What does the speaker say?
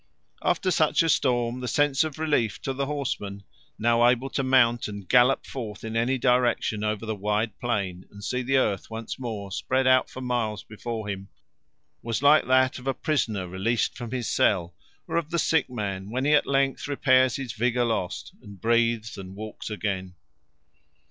After such a storm the sense of relief to the horseman, now able to mount and gallop forth in any direction over the wide plain and see the earth once more spread out for miles before him, was like that of a prisoner released from his cell, or of the sick man, when he at length repairs his vigour lost and breathes and walks again.